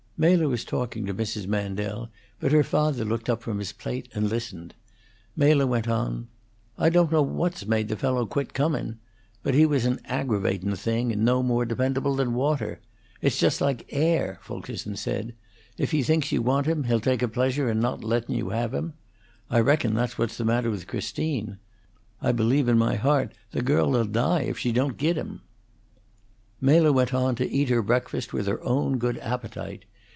Mela was talking to Mrs. Mandel, but her father looked up from his plate and listened. Mela went on: "I don't know what's made the fellow quit comun'. But he was an aggravatun' thing, and no more dependable than water. It's just like Air. Fulkerson said, if he thinks you want him he'll take a pleasure in not lettun' you have him. I reckon that's what's the matter with Christine. I believe in my heart the girl 'll die if she don't git him." Mela went on to eat her breakfast with her own good appetite.